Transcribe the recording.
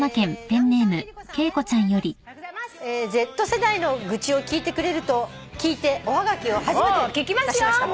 「Ｚ世代の愚痴を聞いてくれると聞いておはがきを初めて出しました」